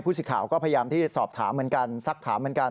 สิทธิ์ข่าวก็พยายามที่สอบถามเหมือนกันสักถามเหมือนกัน